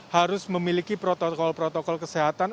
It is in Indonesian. harus memiliki protokol protokol kesehatan